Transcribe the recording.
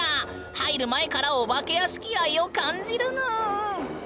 入る前からお化け屋敷愛を感じるぬん！